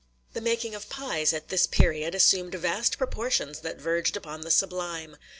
The making of pies at this period assumed vast proportions that verged upon the sublime.